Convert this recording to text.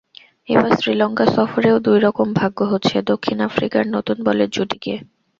এবার শ্রীলঙ্কা সফরেও দুই রকম ভাগ্য হচ্ছে দক্ষিণ আফ্রিকার নতুন বলের জুটিকে।